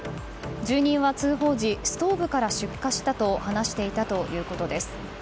住民は通報時ストーブから出火したと話していたということです。